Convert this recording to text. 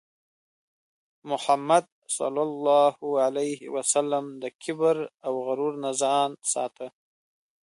محمد صلى الله عليه وسلم د کبر او غرور نه ځان ساته.